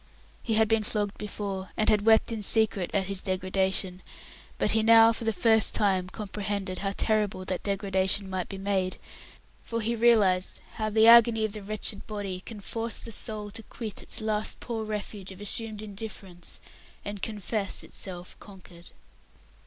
He had been flogged before, and had wept in secret at his degradation, but he now for the first time comprehended how terrible that degradation might be made, for he realized how the agony of the wretched body can force the soul to quit its last poor refuge of assumed indifference, and confess itself conquered.